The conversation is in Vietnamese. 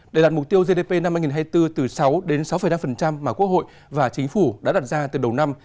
để đạt mục tiêu gdp năm hai nghìn hai mươi bốn từ sáu đến sáu năm mà quốc hội và chính phủ đã đặt ra từ đầu năm